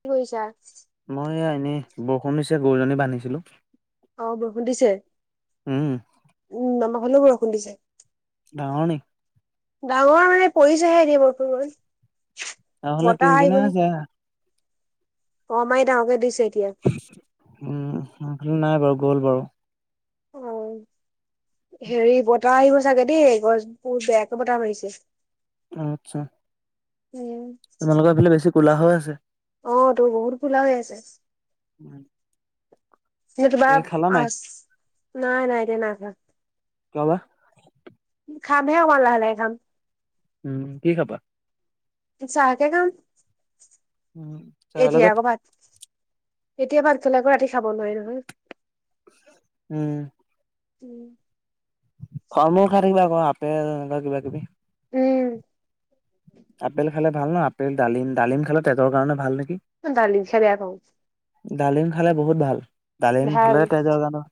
কি কৰিছা মই এ এনে বৰষুণ নিছে গৰুজনী বান্ধিছিলো অ ব সুধিছে উম উম নমাক হলেও বৰষুণ দি যছে ৰানি ডাঙৰ মানে পৰিছেহে এনে বৰপু নহ'লে কিন বতাহ কিনাই আহিব নেকি আছে অ মাৰি তাহকে দিছে এতিয়া উম সালি নাই বাৰু গ'ল বাৰু অ হেৰি বতাহ আহিব চাগে দেই গছ বোৰ বেয়াকে বতাহ বাঢ়িছে আচ্ছা উম তোমোকৰফালে বেছি ক'লা হৈ আছে অ তোৰ বহুত খোলা হৈ আছে উম ন তো বাপ নাই আছ নাই নাই এতিয়া নাখা কলা খাম হে আমাল হাহালে খাম উম কি খাবা চাহাকে কাম উম চাহৰ লগত এতিয়াকৌ পাত এতিয়া ভাত খেল আকৌ ৰাতি খাব নোৱি নহয় উম উম অ ম খাৰ কিবা ক আপেেল কিবা কিবি উম আপেল খালে ভাল ন আপেল ডালিম ডালিম খালে তেজৰ কাৰণে ভাল নেকি ডালিং খাাই দিয়া কওঁ ডালিম খালে বহুত ভাল ডালিম ভাল হলে তেজৰ গানৰ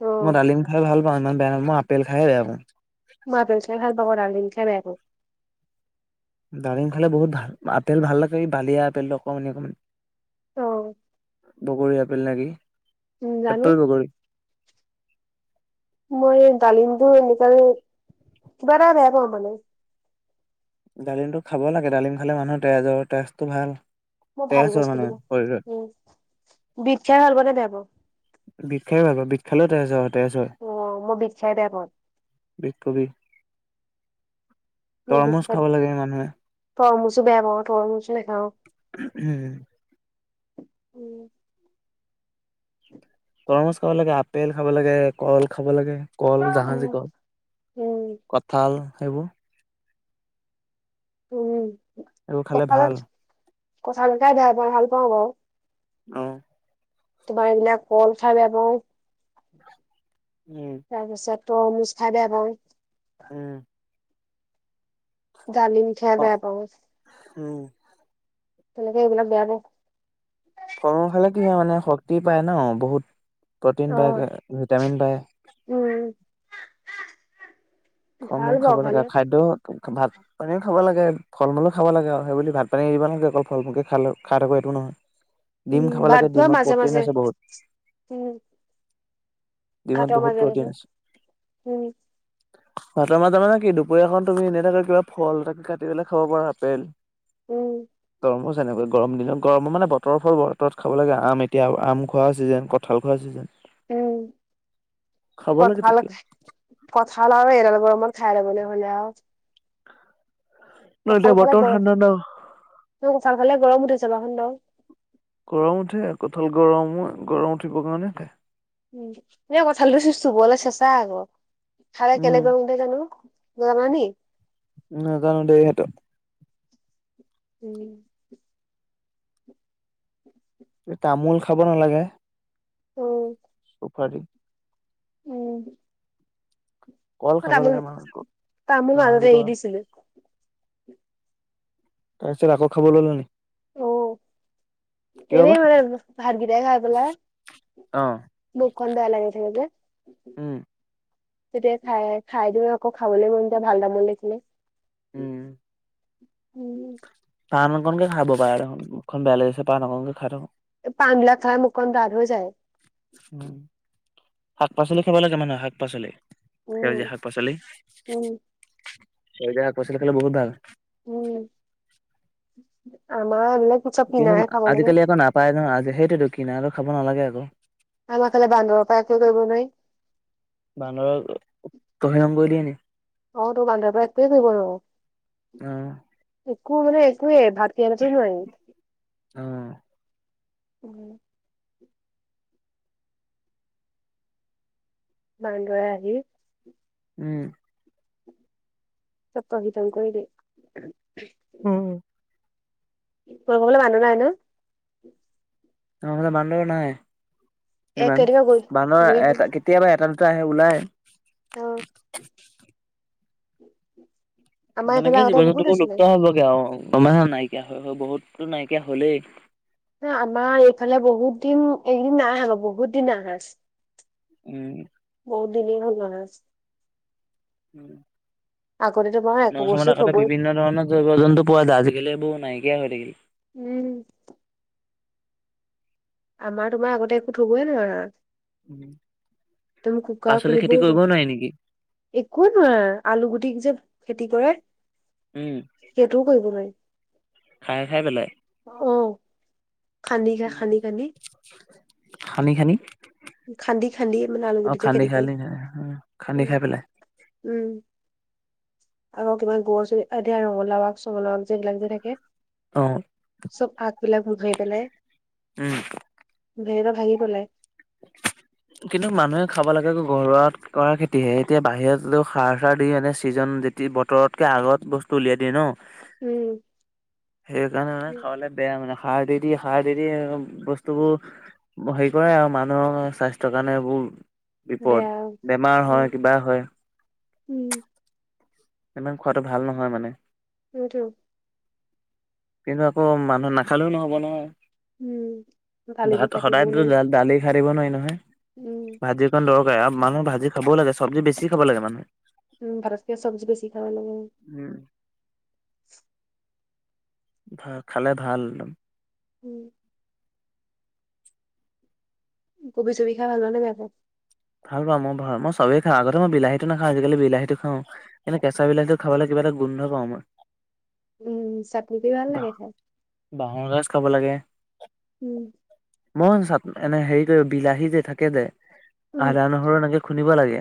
অ মই ডালিম স ভাল পাওঁ ইমান বেয়া মই আপেল খাইে বেয়া পওঁ মই বেল খাই ভাল পাব ৰাংলিন খাই বেৌ ডালিম খালে বহুত ভাল আপেল ভাল লাগে বালিয়া আপেলটো অকণমানি অকণমান অ বগৰী আপেল নে কিি উম, জানো এপেল বগৰী মই ডালিমটো এনেকাল কিবা এটা বেয়া পাওঁ মানে ডালিমটো খাব লাগে ডালিম খালে মানুহৰ তেজৰ তেজটো ভাল মই ভাল তেজ হয় বস্ত মানে কি ন শৰীৰত উ বিখ্যা হব নে বোব বিখ্যাই ভাল প বিখ্যালৈ তেজজ তেজ হয় অ', মই বিট খাই বেয়া পাওঁ, ব কবি মোৰ বিশ তৰমুজ খাব লাগে মানুহে তৰমুচো বেয়া পাও তৰমুচো নাখাও উম উম তৰমছ খাব লাগে আপেল খাব লাগে কল খাব লাগে কল উম, জাহাজী কল উম, কঁঠাল সেইবোৰ উম এইবোৰ খালে ভাল। কথালকাই বেয়া পা ভাল পাওঁ বাৰু। অ। তোমাৰ এইবিলাক কল খাই বেয়া পাওঁ। উম। তাৰপিছত তৰমোজ খাই বেয়া পাওঁ। উম। জালিমখাই অ বেয়া পাব উম তেনেকে এইবিলাক বেয়া পাব। ফল মূল খালে কি হয় মানে শক্তি পায় ন বহুত প্ৰটিন পায় অ', ভিটামিন পায়। উম। ফল ভাল মূল খাব পাওঁ খালে, লগা খাদ্য ভাত। পানীও খাব লাগে ফল মূলো খাব লাগে আৰু সেইব ভাত পানী দিব লাগে অকল ফল মলকে খ খাই থাকোঁ এইটো নহয়। বীম উম, খাব ভাত লাগে খোৱা ডিমত মাজে প্ৰ'টিন মাজে, আছে বহুত। ডিমত ঘাটৰ বহুত মাজে প্ৰটিন মাজে আছে। হম। ভাতৰ মাজানা নে কি দুপৰীয়াখন তুমি এনে থাকৈ কিবা ফল ত কাটি পেলাই খাব পাৰা আপেল। উম। [inaudible] গৰমৰ যেনেকৈ গৰম দিনত গৰমৰ মানে বতৰ ফল বতৰত খাব লাগে আম এতিয়া আম খোৱা ছিজন কঁঠাল খোৱা ছিজন। উম খাব লাগে কঠাল। তেতিয়া কথাল আৰু এৰাল বোৰ অমমান খাই লবলৈ হ'লে আৰু। ন এতিয়া কঁফাল খালে বতৰ গৰম ঠাণ্ডা ন কঁথাল খালে গৰম উঠে চাবাচোন বাৰু। গৰম উঠে কঁঠাল গৰমো গৰম উঠিবৰ কাৰণে খায়। উম এ কথালি চুবলে চেচা আকৌ খাল উম কেলে। কেলেনো জানা নি। নাজানো দে সেইটো। উম। তামোল খাব নালাগে। উম। [inaudible] উম। কল মই খাব তামোল লাগে মানুহ তামোল ৰাজি মাজতে কৰ এৰি দিছিলো। তাৰপিছত আকৌ খাব ল'লে নে। অ বা এনেই মানে ভাতকেইটা খাই পেলাই। মুখ খন বেয়া লাগি থাকে যে। উম তেতিয়া খাই খাই দিওঁ আকৌ খাবলৈ মন ভালদামন লখিলে। উম। পান অকনকে খাব পাৰ দেখোন মুখখন বেয়া লাগিছে পান অকনকে খাই থ। পান বিলাক খাই মুখ খন দাঠ হৈ যায়। উম শাক পাচলি খাব লাগে মানুহে শাক পাচলি। উম সেউজীয়া শাক পাচলি উম সেউজীয়া শাক পাচলি খালে বহুত ভাল। উম আমাৰ অলপ। কিন্তু আজিকালি আকৌ নাপায় নহয় আজি সেইটোৱেই তো কিনা খাব নালাগে আকৌ। আমাৰ ফালে বান্দৰ পৰা একো কৰিব নোৱাৰি। বান্দৰৰ [unintelligible] অ ত বানদাৰ পৰা একোৱে কৰিব অ নোৱাৰি একো মানে একে ভাত। [inaudible] নোৱাৰি অ উম মান্দৰে আহি উম চকা সিিতাম কৰিৈিলে [inaudible] উম কৰিববলৈ মানুহ নাই ন অে বান্দৰ নাই এক ইমান কেতিয়াবা গৈ বান্দৰ ঘূৰি এটা কেতিয়াবা এটা দুটা আহে ওলাই অ আমাৰ এইফালে সনেকে আগতে জীৱন বহুত জন্তুবোৰ আছিলে লুপ্ত হবগে আৰু গমে নাইকিয়া হৈ বহুতো নাইকিয়া হলেই ন আমাৰ এইফালে বহুত দিন এদিন আহ বহুত দিন আহাঁচ উম বহুত দিন ভাল আছে উম, আগতে তোমাৰ একো বস্তু থ'বই জৱ জন্তু পোৱা যায় আজিকালি বু নাইিয় হৈ থাকিল উম আমাৰ তোমাৰ আগতে একো থবয়ে নোৱাৰা আৰু তমকো কাাক পাচলি লি খেতি বৌগ কৰিবও নোৱাৰি নেকি একোৱে নোৱাৰয় আলু গুটি যে খেতি কৰে উম সেইটোও কৰিব নোৱাৰি খাই খাই পেলাই অ খান্দি খা খান্দি খান্দি খানি খানি খান্দি খান্দি মানে আলু অ গুটিতে খান্দি খেতি কৰে খাইি খান্দি উম খাই পেলাই উম আকৌিবমান গৰু চুিয়য়া ৰঙলাও চঙলাওাক যিবিলাক যে থাকে অ, চব আগবিলাক নোধাই পেলাই উম, ভেদ ভাগি পেলাই [inaudible] কিন্তু মানুহে খাব লাগে ঘৰুৱা কৰা খেতিহে এতিয়া বাহিৰতও সাৰ চাৰ দি এনে চিজন যে বতৰতকে আগত বস্তু উলিয়াই দিয়ে ন উম সেইকাৰণে মানে খাবে বেয়া মানে খাৰ দি দি সাৰ দিদি বস্তুবোৰ হেৰি কৰে আৰু মানুহৰ স্বাস্থ্্যৰ কাৰণে এইবোৰ বেয়া বিপদ বেমাৰ উম হয় কিবা হয় উম ইমান খোৱাটো ভাল নহয় মানে উটো কিন্তু আকৌ মানুহ নাখালেও নহ'ব নহয় উম দালিবোৰ াত খাই থাকিবও নোৱাৰি সদায়ো দালি খাৰ দিব নোৱাৰি নহয় উম ভাজিৰ কাৰণ দৰকাৰ আৰু মানুহ ভি খাবও লাগে চবজি বেছি খাব লাগে মানুে উম ভাৰত্ীয়ীয়া চব্জি বেি খাব লাগে উ ভ খালে ভাল উম কবি চবি খাই ভাল পোৱা নে বেয়া পোৱা। ভাল পাও মই ঘৰত মই চবেই খা আগতে মই বিলাহীটো নাওঁ আজিকালি বিলাহীটো খাওঁ। এনে কেঁচালাহীটো খাবলে কিবা এটা গোন্ধ পাওঁ মই, উম চাকৰিটো ভাল বাহ লাগে ক, বাঁহৰ গাজ খাব লাগে। উম মই এনে হেৰি যে বিলাহী যে থাকে যে উম আদা নহৰু এনেকে খুন্দিব লাগে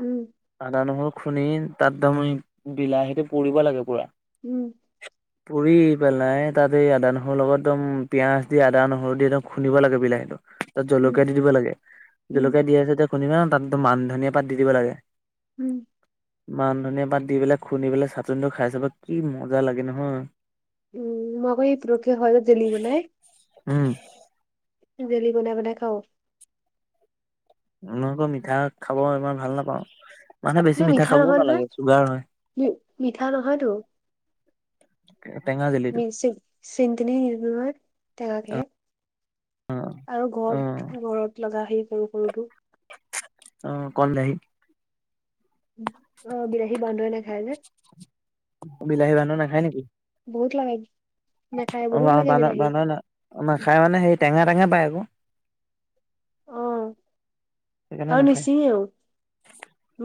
উম আদা নহৰু খুন্দি তাত ত মই বিলাহীটো পুব লাগে পুৰা উম [unintelligible] পুৰি পেলাই তাত এই আদা নহৰুৰ লগত একদম পিয়াজ দি আদা নহৰু দি একদম খুন্দিব লাগে বিলাহীটো তাত উম জলকীয়া দি দিব লাগে। উম, দি আছে খুনিবা ন তাত মান ধনীয়া পাত দি দিব লাগে। উম, মান ধনীয়া পাত দি পেলাই খুন্দি পেলাই চাটনিটো খাই চাব কি মজা লাগে নহয়। উম মইকৌ এই পৰষে হয় দেলি মানে। উম, জেলি বনাই বনাই খাও। মই আকৌ মিঠা খাব ইমান ভাল নাপাওঁ। মানুহে বেছি নে মিঠা খাবও নহয় নহয় নালাগে চুগাৰ হয় মিঠা নহয়তো টেঙা জেলিটো মিচিট চেনী তেনী নিদো নহয় টেঙা কেহে, আৰু অ ঘৰত ঘৰত লগা সেই সৰু সৰুটো অ কন বিলাহী অ বিলাহী বান্ধয়ে নেখাই যে বিলাহী বান্দৰে নাখায় নেকি বহুত লাগে। নাখায় অ বহুত ব লাগে বিলাহী বানৰ না খাই মানে সেই টেঙা টেঙা পায় আক [inaudible] অ আৰু নিচিঙেও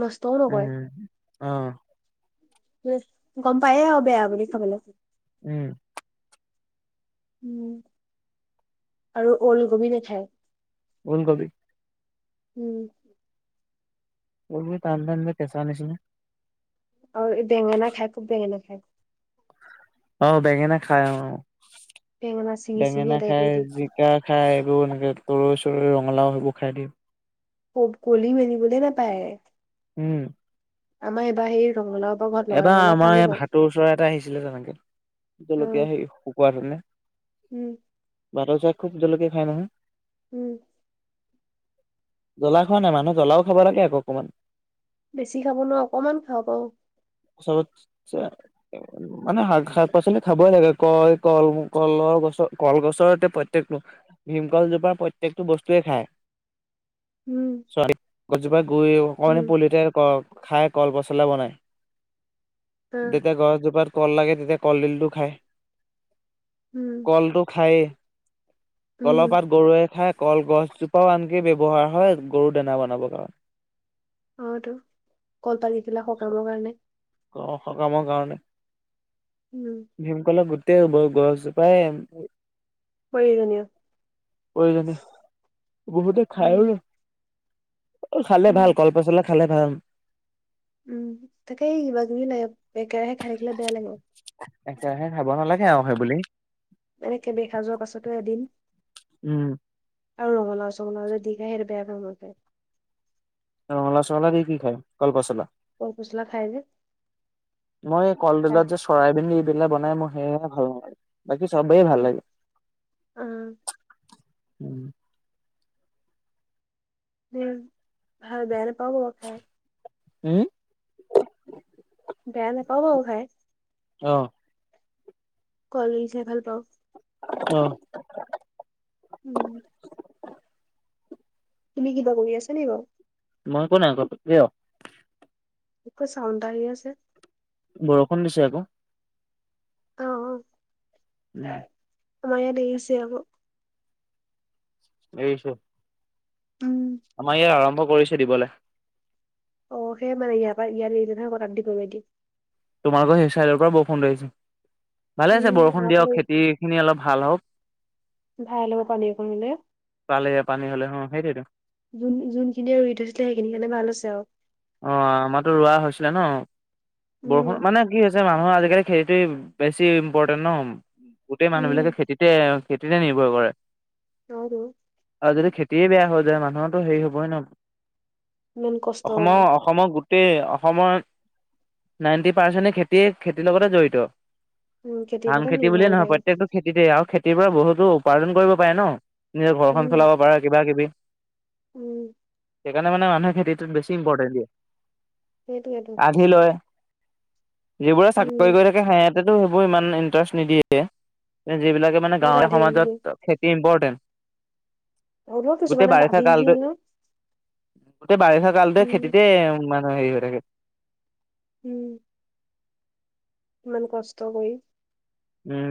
নষ্টও নকয়ে। উম অ গম পায়ে আও বেয়া বুলি খাবলে। উম, উম আৰু ওলকবি নেখায়। ওল কবি উম, ওল কবি টান টান যে কেচা নিচিনা। আৰু বেঙেনা খাইকো বেঙেনা খাই অ বেঙেনা খাই অ বেঙেনা ছিঙি ছিঙি বেঙেনা আদায় খাই কৰি দিয়ে জিকা খাই এইবোৰ এনেকে তৰৈ চৰৈ ৰঙালাও সেইবোৰ খাই দিয়ে কলি মেলিবলে নাপায়। উম, আমাৰ এইবাৰ সেই ৰঙালাও পৰা ঘৰত লগা এবাৰ ৰঙালাও আমাৰ খালো এই বাৰু ভাটো চৰাই এটা আহিছিলে তেনেকে জলকীয়া অ শুকোৱা তেনে উম। ভাটৌ চৰাই খুব জলকীয়া খাই নহয়। উম'। জলা খোৱা নাই? মানুহ জলাও খাব লাগে আক অকণমান। বেছি খাব নোৱাৰোঁ, অকনমান খাব পাৰোঁ। চবতচে মানে শাক শাক-পাচলি খাবই লাগে, কয় কল কলৰ গছৰ কলগছৰ এতিয়া প্ৰত্যেকটো ভীমকল জোপাৰ প্ৰত্যেকটো বস্তুয়ে খায়। উম। গছজোপা গুৰি অকমান উম পুলিতে খাই কল পচলা বনাই। আহ যেতিয়া গছজোপাত কল লাগে, তেতিয়া কলডিলটো খায়। উম। কলটো খায়েই, উম কলাপাত গৰুৱে খাই। কলগছজোপাও আনকি ব্যৱহাৰ হয় গৰু দানা বনাব কাৰণে। অ' তো কলপাতখিলা সকামৰ কাৰণে। অঁ, সকামৰ কাৰণে। উম। ভীমকলৰ গোটেই গ-গছজোপাই প্ৰয়োজনীয় প্ৰয়োজনীয়, বহুতে উম খাইও। অ' খালে উম ভাল, কল পচলা খালে ভাল। উম, তাকেই কিবা-কিবি লাগে, একেৰাহে খাই থাকিলে বেয়া লাগে। একেৰাহে খাব নালাগে আৰু সেইবুলি। এনেকে দেখা যোৱাৰ পাছতো এদিন। উম। আৰু ৰঙালাও-চঙালাও যে দি খাই, সেইটো মই বেয়া পাওঁ, খায়। ৰঙলা-চঙলা দি কি খায়, কলপচলা? কল পচলা খাই যে মই খাই [unintelligible] চয়াবিন দি পেলাই বনাই মোৰ সেয়েহে ভাল নালাগে। বাকি চবেই অ ভাল লাগে। অ উম, বিন ভাল, বেয়া নাপাওঁ বাৰু খাই। উম। বেয়া নাপাওঁ বাৰু খাই। অহ। কলডিল খাই ভাল পাওঁ। অ'। উম। তুমি কিবা কৰি আছা নিকি বাৰু? মই একো নাই কৰা। একো, চাউণ্ড এটা আহি আছে। বৰষুণ দিছে আকৌ। অ' অ'। উম। আমাৰ ইয়াত এৰিছে আকৌ। এৰিছে? উম। আমাৰ ইয়াত আৰম্ভ কৰিছো দিবলে। অ সেয়া মানে ইয়াৰ পৰা ইয়াৰ নিদিয়ে নহয় তাত দিবগে দি- তোমালোকৰ সেই চাইডৰ পৰা বৰষুণ লৈ আহিছে, ভালেই উম, হৈছে বৰষুণ আমাৰ ফালে দিয়ক খেতি খিনি অলপ ভাল হওক। ভাল হব পানীৰ পৰিলে। পালে পানী হ'লে অ সেইটোৱে টো। যোন যোনখিনিয়ে ৰুই থৈছিলে সেইখিনি কাৰণে ভাল হৈছে আও। অ আমাৰতো ৰুৱা হৈছিলে ন উম, বৰষুণ মানে কি হৈছে - মানুহৰ আজিকালি খেতিতেই বেছি ইম্পৰ্টেণ্ট ন - গোটেই মানুহ উম, বিলাকে খেতিতে খেতিতে নিৰ্ভৰ কৰে। হয়তো আৰু যদি খেতিয়ে বেয়া হৈ যায় মানুহতো হেৰি হব‌ই ন। ইমান কষ্ট- অসম- হ'ব। অসমৰ গোটেই অসমৰ নাইনটি পাৰ্চেন্টে খেতিয়ে খেতিৰ লগতে জড়িত। উম, খেতিৰ ধান ওপৰতে খেতি নিৰ্ভৰ বুলিয়ে কৰি নহয় থাকে। প্ৰত্যয়কটো খেতিতে আৰু খেতিৰ পৰা বহুতো উপাৰ্জন কৰিব পাৰে ন। নিজৰ ঘৰখন উম, চলাব পাৰা কিবা কিবি উম, সেইকাৰণে মানে মানুহে খেতিটোত বেছি - ইম্পৰ্টেণ্ট দিয়ে। সেইটোৱে টো। আধি লয় যিবোৰে চাকৰি উম, কৰি থাকে হেহঁত- সেইটো সেইবোৰে ইমান ইন্টাৰেষ্ট নিদিয়ে, যিবিলাকে মানে সেইকাৰণে গাঁৱলীয়া আধি দি সমাজত দিয়ে। খে- যি ইম্পৰ্টেণ্ট, হ'লেও গোটেই কিছুমানে বাৰিষা আধি দি কালটো দিয়ে নহয়। - গোটেই বাৰিষা কালটোৱে উম, খেতিতে মানে হেৰি হৈ থাকে। উম। ইমান কষ্ট কৰি। উম,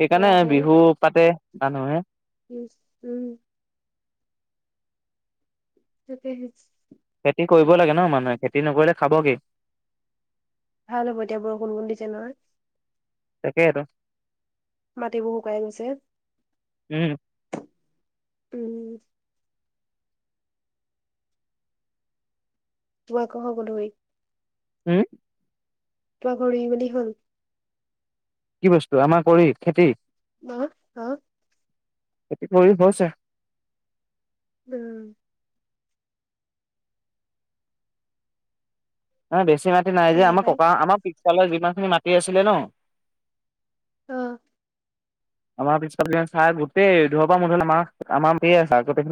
সেইকাৰণে কৰা হয়। বিহু পাতে মানুহে। উম, উম। তাকে হে। খেতি কৰিব লাগে ন মানুহে খেতি নকৰিলে খাব কি? ভাল হ'ব এতিয়া বৰষুণ ভূন দিছে নহয়। তাকে আৰু। মাটিবোৰ শুকাই গৈছে। উম। উম। তোমাৰ কত ঘৰ? গন্ধগুৰি। হম। তোমাৰ কৰি মেলি হ'ল? কি বস্তু আমাৰ কৰি খেতি? অ। খেতি কৰি হৈছে। উম। বেছি মাটি নাই যে তেহে আমাৰ পাই ককা আমাৰ পিফালৰ যিমান খিনি মাটি আছিলে ন! অ। আমাৰ পিছ ছাই গোটেই ওৰৰ পৰা মুধলে আমাৰ আমাৰ আছে আগতে।